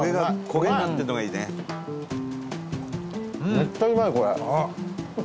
めっちゃうまい、これ。